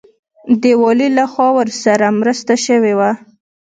د والي لخوا ورسره مرسته شوې وه.